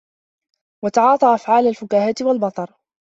وَتَعَاطَى أَفْعَالَ الْفُكَاهَةِ وَالْبَطَرِ